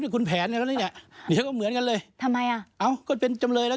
คุณมโดยกำลังจะบอกดีชั้นว่า